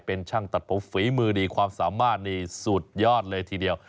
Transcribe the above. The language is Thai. เป็นช่างตัดผมฝีมือดีความสามารถนี่สุดยอดเลยทีเดียว